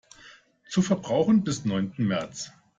Zu verbrauchen bis neunten März.